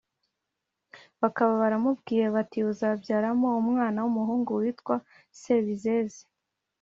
Bakaba baramubwiye bati”uzabyaramo umwana w’umuhungu witwa Sebizeze”